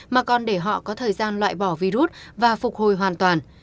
mà còn để họ có thời gian loại bỏ virus và phục hồi hoàn toàn